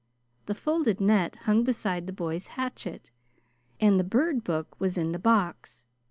The folded net hung beside the boy's hatchet, and the bird book was in the box.